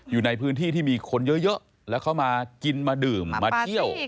อยู่ในพื้นที่ที่มีคนเยอะแล้วเขามากินมาดื่มมาเที่ยว